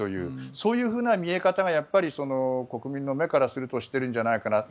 そういう見え方が国民の目からするとしているんじゃないかなと。